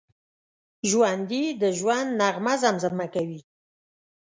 ژوندي د ژوند نغمه زمزمه کوي